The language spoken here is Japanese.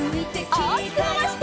おおきくまわして。